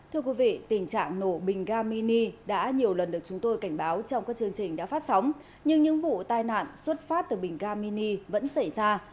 thưa quý vị tình trạng nổ bình ga mini đã nhiều lần được chúng tôi cảnh báo trong các chương trình đã phát sóng nhưng những vụ tai nạn xuất phát từ bình ga mini vẫn xảy ra